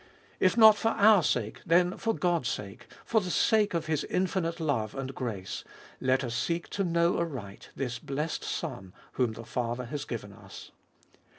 If not for our sake, then for God's sake, for the sake of His infinite love and grace, let us seek to know aright this blessed Son whom the Father has given us.